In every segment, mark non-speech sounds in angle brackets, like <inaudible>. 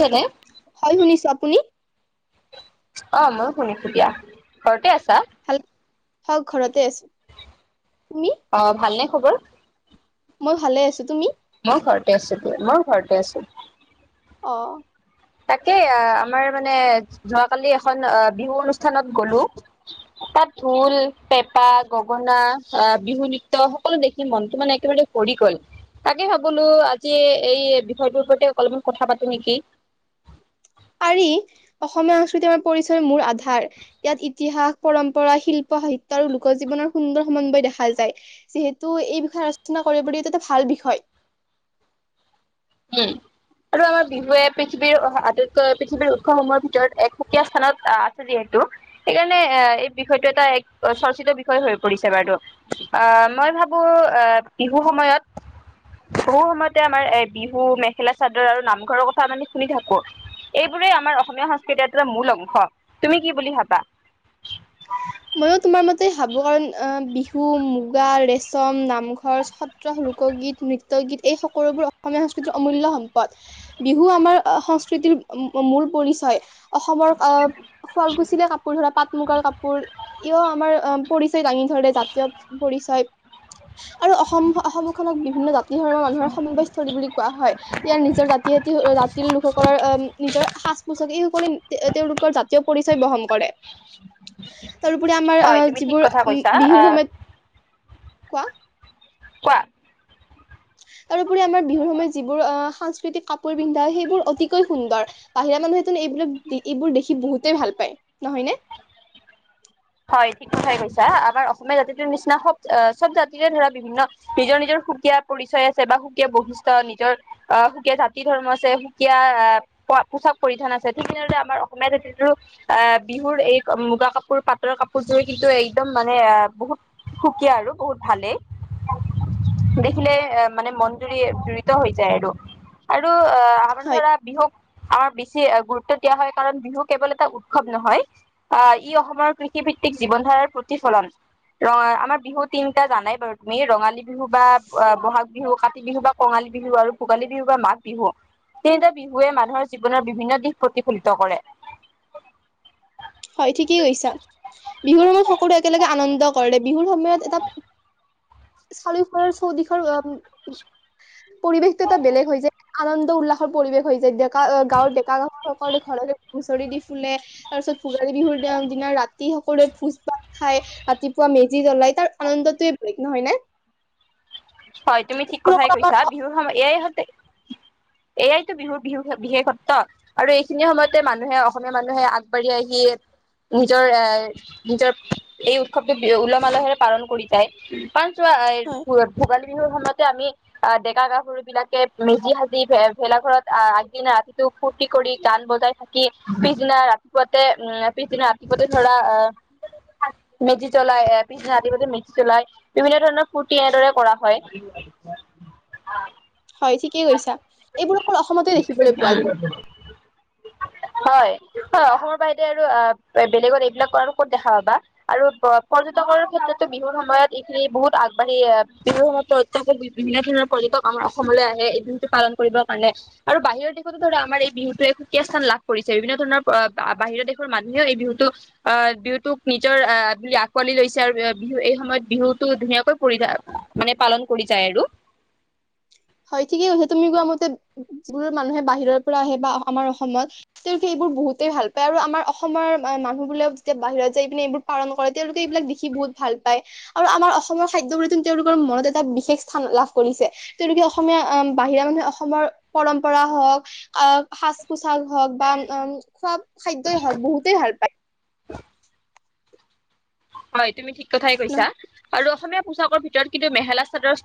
ছেনে হয় শুনিছো আপুনি। অঁ, ময়ো শুনিছো দিয়া ঘৰতে আছা? হঁ, ঘৰতে আছো। তুমি অঁ ভালে ন? খবৰ। মই ভালে আছো তুমি? মোৰ ঘৰতে আছো দিয় মই ঘৰতে আছো। অঁ। তাকে আহ আমাৰ মানে যোৱাকালি এখন আহ বিহু অনুষ্ঠানত গলো তাত ঢোল, পেপা, গগনা আহ বিহু নৃত্য সকলো দেখি মনটো মানে একেবাৰে ভৰি গল। তাকে ভাবিলো আজি এই বিষয়টোৰ ওপতে অলপমান কথা পাতো নেকি। পাৰি অসমীয়া সংস্কৃতি আমাৰ পৰিচয়ৰ মূল আধাৰ ইয়াত ইতিহাস পৰম্পৰা শিল্প সাহিত্য আৰু লোকজীৱনৰ সুন্দৰ সমন্বয় দেখা যায় যিহেতু এই বিষয়ে আলোচনা কৰিব এইটো এটা ভাল বিষয়। উম আৰু আমাৰ বিহুৱে পৃথিৱীৰ আটাইতকৈ পৃথিৱীৰ উৎসৱসমূহৰ ভিতৰত একসুকীয়া স্থানত আহ আছে যিহেতু। সেইকাৰণে আহ এই। বিষয়টো এটা এক চৰ্চিত বিষয় হৈ পৰিছে বাৰু অ মই ভাবো আহ বিহু সময়ত বিহু সময়তে আমাৰ এ। বিহু মেখেলা চাদৰ আৰু নামঘৰৰ কথা মানি শুনি থাকো, এইবোৰেই আমাৰ অসমীয়া সংস্কৃতিৰ এটা মূল অংশ তুমি কি বুলি ভাবা। ময়ো তোমাৰ মতে ভাবো কাৰ অ বিহু মুগা ৰেচম নাম। ৰ সত্ৰ লোকগীত নৃত্য। গীত এই সকলোবোৰ অসমীয়া সংস্কৃতিৰ অমূল্য সম্পদ বিহু আমাৰ সংস্কৃতিৰ মূল পৰিচয়। অসমৰ শুৱালকুছলীয়া কাপোৰ ধৰা পাট মুগাৰ কাপোৰ। আমাৰ পৰিচয় দাঙি ধৰে জাতীয় পৰিচয়। আৰু অসম আহ অসম খনক বিবি। ই তা <unintelligible> জাতি ধৰ্মৰ মানুহৰ সমবয়স্থলী বুলি কোৱা হয় ইয়াৰ নিজৰ জাতিতি জাতিৰ লোকসকলৰ আহম নিজৰ। সাজ পোছাক এইসকলে তেওঁলোকৰ জাতীয় পৰিচয় বহন কৰে। তাৰোওপৰি আমাৰ হয় তুমি ঠিক যিবোৰ কথা কৈছা বিহুৰ আহ সময়ত কোৱা। কোৱা। তাৰওপৰি আমাৰ বিহুৰ সময়ত যিবোৰ আহ সাংস্কৃতিক কাপোৰ পিন্ধা সেইবোৰ অতিকৈ সুন্দৰ বাহিৰা মানুহবোৰ এইবিলাক এইবোৰ দেখি বহুতেই ভাল পায় নহয়নে? হয় ঠিক কথাই কৈছা আমাৰ অসমীয়া জাতিটোৰ নিচিনা সব চব জাতিৰে ধৰা বিভিন্ন নিজৰ নিজৰ সুকীয়া পৰিচয় আছে বা সুকীয়া বৈশিষ্ট্য নিজৰ আহ সুকীয়া জাতি ধৰ্ম আছে সুকীয়া আহ প পোচাক পৰিধান আছে ঠিক তেনেদৰে আমাৰ অসমীয়া জাতিটোৰো আহ বিহুৰ এই মুগা কাপোৰ প। ৰ কাপোৰযোৰ কিন্তু একদম মানে বহুত সুকীয়া আৰু বহুত ভালেই দেখিলে এ মানে মন জুৰি জুৰিত হৈ যায় আৰু আৰু। অ আমাৰ হয় ধৰা বিহুক আমাৰ। বে গুৰুত্ব দিয়া হয় কাৰণ বিহু কেৱল এটা উৎসৱ নহয় আহ ই অসমৰ। কৃষিভিত্তিক জীৱন ধাৰাৰ প্ৰতিফলন ৰ আমাৰ বিহু তিনিটা জানাই বাৰু তুমি ৰঙালী বিহু বা বহাগ বিহু কাতি বিহু বা কঙালী বিহু আৰু ভোগালী বিহু বা মাঘ বিহু তিনিটা বিহুৱে মানুহৰ জীৱনৰ বিভিন্ন দিশ প্ৰতিফলিত কৰে। হয় ঠিক। কৈছা বিহুৰ সময়ত সকলো একেলগে আনন্দ কৰে বিহুৰ সময়ত এটা। চাৰিও ফালৰ চৌদিশৰ পৰিৱেশটো এটা বেলেগ হৈ যায় আনন্দ উল্লাসৰ পৰিৱেশ হৈ যায দিয়ক। কা গাঁওৰ ডেকা গাভৰু সকলো ঘৰলে। হুচৰি দি ফুলে ত। ভোগালী বিহুৰ দিনা ৰাতি হওক। কৰে ভোজ ভাত খাই ৰাতিপুৱা মেজি জ্বলাই তাৰ আনন্দটোয়ে বেলেগ নহয় ন। হয় তুমি ঠিক কথাই কৈছা বিহুৰ সময় এয়াইহঁতে। এয়াইতো বিহুৰ বিু বিশেষত্ব আৰু এইখিনি সময়তে মানুহে অসমীয়া মানুহে আগবাঢ়ি আহি নিজৰ এ নিজৰ এই উৎসৱটো উলহ মালহেৰে পালন কৰি যায়। পাঁচ্ হয় <unintelligible> ভোগালী বিহুৰ সময়তে আমি আহ ডেকা গাভৰু বিলাকে মেজি সাজি ভেলা ঘৰত আহ আগদিনা ৰাতিটো ফূুৰ্তি কৰি গান বজাই থাকি পিছদিনা ৰাতিপুৱাতে পিছদিনা ৰাতিপুৱাতে ধৰা আহ মেজি জ্বলাই আহ পিছদিনা ৰাতিপুৱা মেজি জ্বলাই বিভিন্ন ধৰণৰ ফূুৰ্তি এনেদৰে। কৰা হয়। হয় ঠিকেই কৈছা এইবোৰ অকল অসমতে দেখিবলৈ পোৱা যায়। হয় হয় অসমৰ বাহিদ আৰু আহ বেলেগত এইবিলাক কৰা ক'ত দেখা পাবা আৰু পৰ্যটকৰ ক্ষেত্ৰতো বিহুৰ সময়ত এইখিনি বহুত আগবাঢ়ি আহ বিহুৰ সময়ত পৰ্যটক বিভিন্ন ধৰণৰ পৰ্যটক আমাৰ অসমলৈ আছে। এই বিহুতটো পালন কৰিবৰ কাৰণে আৰু বাহিৰৰ দেশতো ধৰা আমাৰ এই বিহুটোৱে সুকীয়া স্থান লাভ কৰিছে বিভিন্ন ধৰণৰ বাহিৰৰ দেশৰ মানুহে এই বিহুতটো আহ বিহুটোক নিজৰ আহ বুলি আঁকোৱালি লৈছে আৰু বিহু এই সময়ত বিহুতটো ধুনীয়াকৈ পৰিধ মানে পালন কৰি যায় আৰু। হয় ঠিকেই কৈছে তুমি কোৱা মতে যিবোৰ মানুহে বাহিৰৰ পৰা আহে বা আমাৰ অসমত তেওঁলোকে এইবোৰ বহুতেই ভাল পায় আৰু আমাৰ অসমৰ মানুহ বোলে যেতিয়া বাহিৰত যাই পিনে এইবোৰ পালন কৰে তেওঁলোকে এইবিলাক দেখি বহুত ভাল পায় আৰু আমাৰ অসমৰ খাদ্য তেওঁলোকৰ মনত এটা বিশেষ স্থান লাভ কৰিছে। তেওঁলোকে অসমীয়া বাহিৰা মানুহে অসমৰ পৰম্পৰা হওঁক আহ সাজ পোছাক হওঁক বা উ খোৱা। খাদ্যই হওক বহুতেই ভাল পায়। <unintelligible> হয় তুমি ঠিকে, কথাই নহয় কৈছা আৰু অসমীয়া। পোচাকৰ ভিতৰত কিন্তু মেখেলা চাদৰ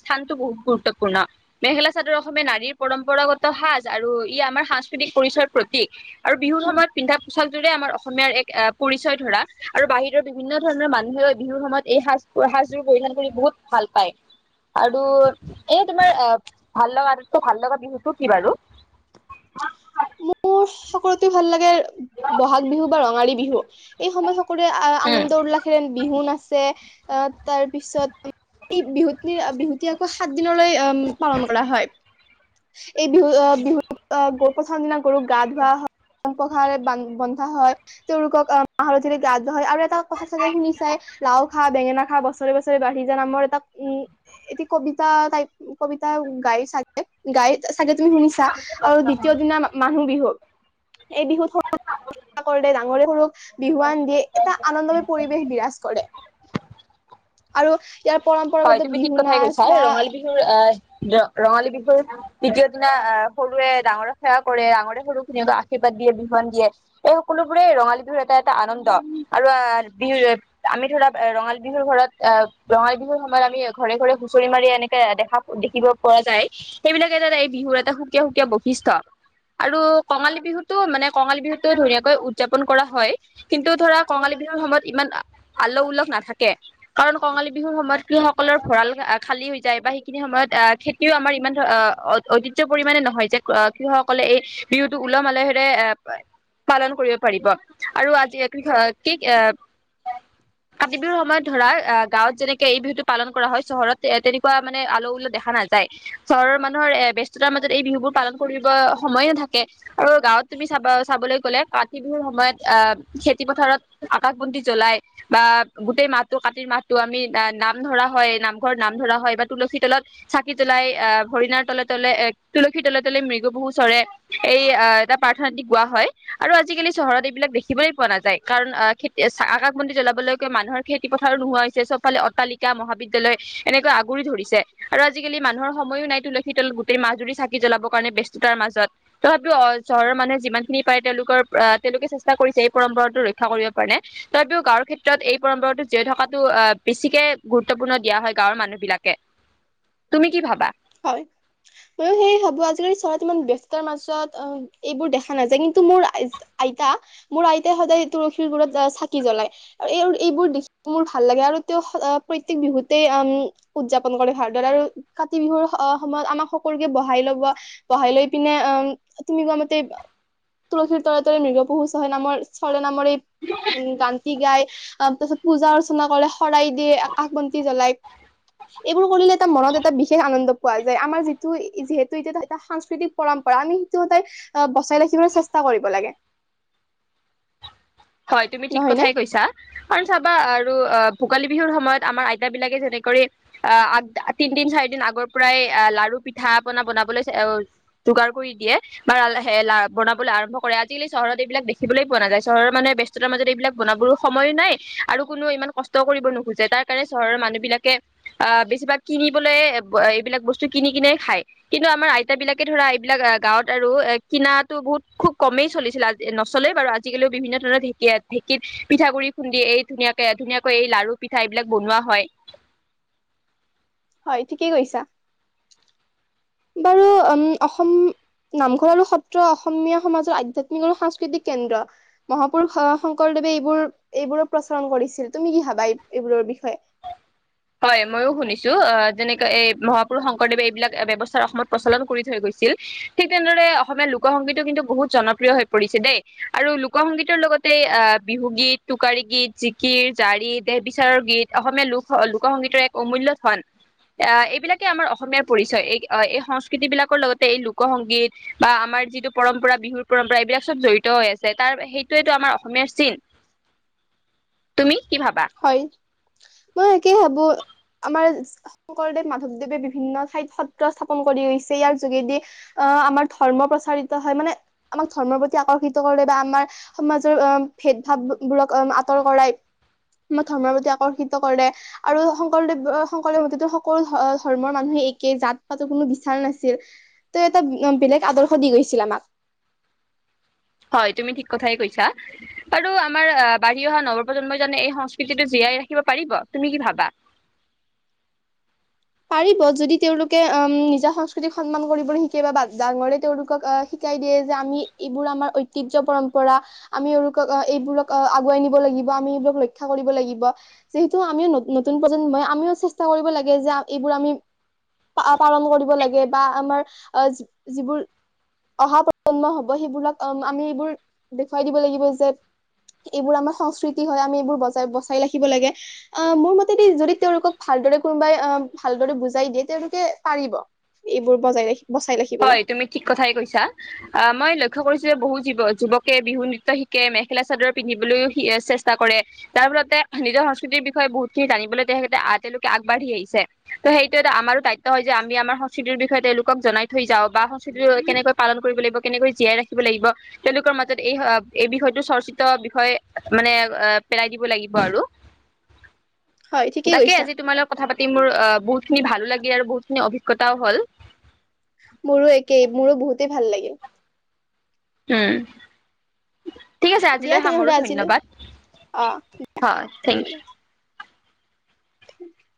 স্থানতো বহুত গুৰুত্বপূৰ্ণ মেখেলা চাদৰ অসমীয়া নাৰীৰ পৰম্পৰাগত সাজ আৰু ই আমাৰ সাংস্কৃতিক পৰিচয়ৰ প্ৰতীক আৰু বিহুৰ সময়ত পিন্ধা পোচাকৰে আমাৰ অসমীয়াৰ এক পৰিচয় ধৰা আৰু বাহিৰত। বিভিন্ন ধৰণৰ মানুহে বিহুৰ সময়ত এই সাজ সাজবোৰ পৰিধান কৰি বহুত ভাল পায় আৰু এ তোমাৰ আহ ভাল লগা আটোকৈ ভাল লগা বিহুতটো কি বাৰু। মোৰ সকলোত ভাল লাগে বহাগ বিহু বা ৰঙালী বিহু, এই সময়ত সকলোৱে আনন্দ উল্লাসেৰে বিহু নাচে। তাত তাৰ পিছত, এই বিহুত-বিহুতি আকৌ সাত দিনলৈ পালন কৰা হয়। উ <unintelligible> এই বিহু-বিহুত গৰু সেই দিনা গৰুক গা ধোৱা হয়, নতুন পঘাৰে বন্ধা হয়, তেওঁলোকক মা-হালধীৰে গা ধোৱা হয়, আৰু এক কথা চাগে শুনি চাই, লাও-খা, বেঙেনা-খা খা বছৰে-বছৰে বাঢ়ি যা, আমাৰ এটা, উম, এটি কবিতা টাইপ কবিতা গাই চাগে গাই চাগে, তুমি শুনিছা উম আৰু দ্বিতীয় দিনা মানুহ বিহু এই বিহুত, সকলোৱে যে ডাঙৰে-সৰুক বিহুৱান দিয়ে, এটা আনন্দময় পৰিৱেশ বিৰাজ কৰে। আৰু ইয়াৰ হয়, পৰম্পৰাগত তুমি ঠিক বিহু কথাই নাচ কৈছা, বা ৰঙালী বিহুৰ আহ ৰঙালী বিহুৰ তৃতীয় দিনা আহ সৰুৱে-ডাঙৰক সেৱা কৰে, ডাঙৰে-সৰুক ধুনীয়াকৈ আশীৰ্বাদ দিয়ে, বিহুৱান দিয়ে, এই সকলোবোৰেই ৰঙালী বিহুৰ এটা-এটা আনন্দ, আৰু আহ বিহু আমি ধৰা ৰঙালী বিহুৰ ঘৰত, আহ ৰঙালী বিহুৰ আমাৰ আমি ঘৰে-ঘৰে হুঁচৰি মাৰি এনেকে দেখা-দেখিব পোৱা যায়, সেইবিলাকে এই বিহুৰ এটা সুকীয়া-সুকীয়া বৈশিষ্ট্য, আৰু কঙালী বিহুতটো মানে কঙালী বিহুতটো ধুনীয়াকৈ উদযাপন কৰা হয়, কিন্তু ধৰা কঙালী বিহুৰ সময়ত ইমান আল্ল-উল্লহ নাথাকে, কাৰণ কঙালী বিহুৰ সময়ত কৃষকসকলৰ ভঁৰাল খালী হৈ যায়, বা সেইখিনি সময়ত আহ খেতিও আমাৰ ইমান ঐতিহ্য পৰিমানে নহয় যে, কৃষকসকলে এই বিহুটো উলহ-মালহেৰে এ পালন কৰিব পাৰিব, আৰু আজি কৃষকি এ কাতি বিহুৰ সময়ত ধৰা, গাঁৱত যেনেকে এই বিহুতটো পালন কৰা হয়, চহৰত তেনেকুৱা মানে আল্ল-উল্লহ দেখা নাযায়, চহৰৰ মানুহৰ ব্যস্ততাৰ মাজত এই বিহুবোৰ পালন কৰিব সময়ে নাথাকে, আৰু গাঁৱত তুমি চাব-চাবলৈ গলে কাতি বিহুৰ সময়ত আহ খেতি-পথাৰত আকাশ বন্তি জলাই বা গোটেই মাহটো কাতিৰ মাহটো আমি নাম ধৰা হয়, নামঘৰত নাম ধৰা হয় বা তুলসী তলত চাকি জ্বলাই, আহ হৰিণাৰ তলে-তলে এ তুলসীৰ তলে-তলে, মৃগ পহু চৰে এই এটা প্ৰাৰ্থনা দি গোৱা হয় আৰু আজিকালি চহৰত এইবিলাক দেখিবলৈ পোৱা নাযায়, কাৰণ আহ খেতি আকাশবন্তি জ্বলাবলৈকে মানুহৰ খেতি-পথাৰো নোহোৱা হৈছে, চব ফালে অট্টালিকা বিদ্যালয়ৰ-মহাবিদ্যালয়, এনেকৈ আগুৰি ধৰিছে, আৰু আজিকালি মানুহৰ সময়ো নাই, তুলসী তল গোটেই মাহজুৰি চাকি জ্বলাব কাৰণে, ব ব্যস্ততাৰ মাজত, তথাপিও চহৰৰ মানুহে যিমানখিনি পাৰে তেওঁলোকৰ আহ তেওঁলোকে চেষ্টা কৰিছে, এই ৰক্ষা কৰিব পাৰে, তথাপিও গাঁৱৰ ক্ষেত্ৰত এই পৰম্পৰাতো জীয়াই থকাটো অ বেছিকে গুৰুত্বপূৰ্ণ দিয়া হয় গাঁৱৰ মানুহ বিলাকে, তুমি কি ভাবা? হয় ব্যস্ত মাজত, অ, এইবোৰ দেখা নাযায়, কিন্তু মোৰ আইতা, মোৰ আইতা সতে সদায় তুলসীৰ গুৰিত এ চাকি জ্বলাই, আৰু এই-এইবোৰ দেখি মোৰ ভাল লাগে, আৰু তেওঁ প্ৰত্যেক বিহুতে মম উদযাপন কৰে, ভাৰতত আৰু কাতি বিহুৰ সময়ত আমাক সকলোকে বহাই লব, বহাই লৈ পিনে অ, তুমি গোৱা মতে তুলসীৰ তলে-তলে মৃগ পহু চৰে নামৰ চৰে নামৰ এই গানতি গাই তাৰ পিছত, পূজা অৰ্চনা কৰে, শৰাই দিয়ে, আকাশ বন্তি জ্বলাই, এইবোৰ কৰিলে এটা মনত এটা বিশেষ আনন্দ পোৱা যায়, আমাৰ যিটো যিহেতু এতিয়া এটা সাংস্কৃতিক পৰম্পৰা, আমি সেইটো সদায় আহ বচাই ৰাখিবলৈ চেষ্টা কৰিব লাগে। হয়, তুমি ঠিক নহয় নে কথাই কৈছা। চাবা আৰু, অ, ভোগালী বিহুৰ সময়ত আমাৰ আইতা বিলাকে যেনেকৰি আহ আগ তিন দিন, চাৰি দিন, আগৰ পৰাই আহ লাৰু-পিঠা, পনা বনাবলৈ যোগাৰ কৰি দিয়ে, বা লে বনাবলৈ আৰম্ভ কৰে আজিকালি চহৰত এইবিলাক দেখিবলৈ পোৱা নাযায়, চহৰৰ মানে ব্যস্ততাৰ মাজত এইবিলাক বনাবলো সময় নাই, আৰু কোনো ইমান কষ্ট কৰিব নোখোজে, তাৰ কাৰণে চহৰৰ মানুহ বিলাকে, আহ বেছিভাগ কিনিবলে এইবিলাক বস্তু কিনি কিনে খাই, কিন্তু আমাৰ আইতা বিলাকে ধৰা এইবিলাক গাঁৱত আৰু কিনাটো বহুত খুব কমেই চলিছিল, আজি নচলেই বাৰু আজিকালি, বিভিন্ন ধৰণৰ ঢেঁকীত পিঠা-গুৰি খুন্দি, এই ধুনীয়াকে- ধুনীয়াকৈ এই লাৰু-পিঠা এইবিলাক বনোৱা হয়। হয় ঠিকেই কৈছা। বাৰু, উম, অসম নামঘৰ আৰু সত্ৰ অসমীয়া সমাজৰ আধ্যাত্মিক আৰু সাংস্কৃতিক কেন্দ্ৰ, মহাপুৰুষ শংকৰদেৱে এইবোৰ-এইবোৰৰ প্ৰচাৰণ কৰিছিল, তুমি কি ভাবা এইবোৰৰ বিষয়ে? হয়, মইয়ো শুনিছোঁ, আহ যেনেকে এই মহাপুৰুষ শংকৰদেৱে এইবিলাক ব্যৱস্থাৰ অসমত প্ৰচলন কৰি থৈ গৈছিল, ঠিক তেনেদৰে অসমীয়া লোকসংগীতো কিন্তু বহুত জনপ্ৰিয় হৈ পৰিছে, দেই আৰু লোক সংংগীতৰ লগতে আহ বিহুগীত, টোকাৰি গীত, জিকিৰ, জাৰি, দেহ বিচাৰৰ গীত, অসমীয়া লোক সংস্কৃতিৰ লোক সংগীতৰ এক অমূল্য ধন, আহ এইবিলাকে আমাৰ অসমীয়াৰ পৰিচয়, এই- এই সংস্কৃতি বিলাকৰ লগতে এই লোক সংংগীত বা আমাৰ যিটো পৰম্পৰা বিহুৰ পৰম্পৰা এইবিলাক চব জড়িত হৈ আছে, তাৰ সেইটোয়েই টো আমাৰ অসমীয়াৰ চিন। তুমি কি ভাবা হয়, মই একেই ভাবো আমাৰ শংকৰদেৱ, মাধৱদেৱে বিভিন্ন ঠাইত সত্ৰ স্থাপন কৰি গৈছে, ইয়াৰ যোগেদি আহ, আমাৰ ধৰ্ম প্ৰচাৰিত হয়, মানে আমাক ধৰ্মৰ প্ৰতি আকৰ্ষিত কৰে বা আমাৰ সমাজৰ ভেদ- -ভাৱ বোৰক আঁতৰ কৰাই। আমাক ধৰ্মৰ প্ৰতি আকৰ্ষিত কৰে আৰু শংকৰদেৱ, শংকৰদেৱ হতেতো সকলো ধৰ্মৰ মানুহে একে জাত পাতো কোনো বিচাৰ নাছিল ত' এটা বেলেগ আদৰ্শ দি গৈছিল আমাক। হয়, তুমি ঠিক কথাই কৈছা আৰু আমাৰ আহ, বাঢ়ি অহা নৱপ্ৰজন্মইজনে এই সংস্কৃতিটো জীয়াই ৰাখিব পাৰিব তুমি কি ভাবা? পাৰিব যদি তেওঁলোকে অম, নিজা সংস্কৃতিক সন্মান কৰিবলে শিকে বা ডাঙৰে তেওঁলোকক আহ, শিকাই দিয়ে যে, আমি এইবোৰ আমাৰ ঐতিহ্যৰ পৰম্পৰা আমি এইলোকক, এইবোৰক আগুৱাই নিব লাগিব আমি এইবোৰক ৰক্ষা কৰিব লাগিব। যিহেতু আমিও নে নতুন প্ৰজন্মই আমিও চেষ্টা কৰিব লাগে যে, এইবোৰ আমি, পালন কৰিব লাগে বা আমাৰ, আহ, যিবোৰ অহা প্ৰজন্ম হব সেইবোৰক আমি এইবোৰ দেখুৱাই দিব লাগিব যে, এইবোৰ আমাৰ সংস্কৃতি হয়। আমি এইবোৰ বজাই, বচাই, ৰাখিব লাগে আহ, মোৰ মতেদি যদি তেওঁলোকক ভালদৰে কোনোবাই আহ, ভালদৰে বুজাই দিয়ে তেওঁলোকে পাৰিব, এইবোৰ বজাই ৰাখিব। হয়, তুমি ঠিক কথাই কৈছা অ' মই লক্ষ্য কৰিছো যে বহু জীব যুৱক, কে বিহু নৃত্য শিকে, মেখেলা চাদৰ পিন্ধিবলৈও চেষ্টা কৰে, তাৰ ফলতে নিজৰ সংস্কৃতিৰ বিষয়ে বহুতখিনি জানিবলৈ তেখেতে আহ, তেওঁলোকে আগবাঢ়ি আহিছে। ত 'সেইটো এটা আমাৰো দায়িত্ব হয় যে আমি আমাৰ সংস্কৃতিৰ বিষয়ে তেওঁলোকক জনাই, থৈ যাও বা সংস্কৃতি কেনেকৈ পালন কৰিব লাগিব, কেনেকৈ জীয়াই ৰাখিব লাগিব, তেওঁলোকৰ মাজত এই এই বিষয়টো চৰ্চিত বিষয়ে মানে, পেলাই দিব লাগিব আৰু। হয় ঠিকেই তাকেই কৈছা আজি তোমাৰ লগত কথা পাতি, পাতি মোৰ আ' বহুত খিনি ভালো লাগে আৰু বহুতখিনি অভিজ্ঞতাও হ'ল। মোৰো একেই, মোৰো বহুতেই ভাল লাগিল। উম, ঠিক আছে দিয়া আজিলৈ সামৰো তেনেহলে আজিলৈ ধন্যবাদ, অ হয়, থেংক ইউ। Thank U.